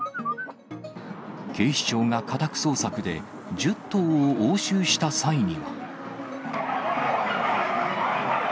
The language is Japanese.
警視庁が家宅捜索で１０党を押収した際には。